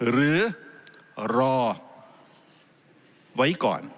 หรือรอไว้ก่อน